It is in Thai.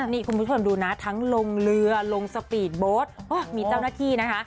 นี่คุณผู้ชมดูนะทั้งลงเรือลงสปีดโบ๊ทมีเจ้าหน้าที่นะคะ